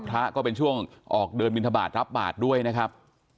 พระโรงกรรมกันเป็นช่วงออกเดินบิณฑบาทรับบาทด้วยนะครับ